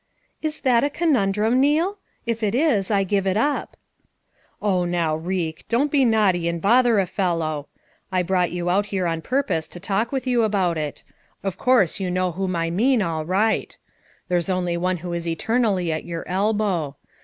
"Is that a conundrum, Neal? If it is, I give it up." "Oh, now, Reek, don't be naughty and bother a fellow. I brought you out here on purpose FOUR MOTHERS AT CHAUTAUQUA 145 to talk with you about it. Of course you know whom I mean, all right. There's only one who is eternally at your elbow.